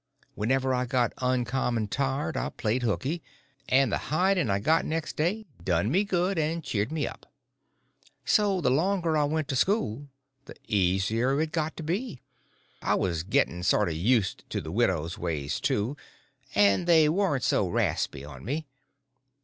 Whenever I got uncommon tired I played hookey, and the hiding I got next day done me good and cheered me up. So the longer I went to school the easier it got to be. I was getting sort of used to the widow's ways, too, and they warn't so raspy on me.